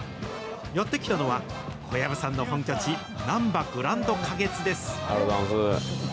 やって来たのは、小籔さんの本拠地、なんばグランド花月です。